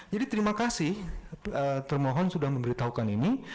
jadi terima kasih termohon sudah memberitahukan ini